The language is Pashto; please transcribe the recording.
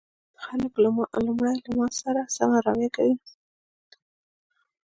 خلک لومړی له ما سره سمه رويه کوي